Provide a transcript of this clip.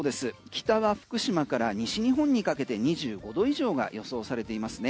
北は福島から西日本にかけて２５度以上が予想されています。